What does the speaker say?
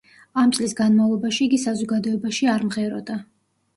ამ წლის განმავლობაში იგი საზოგადოებაში არ მღეროდა.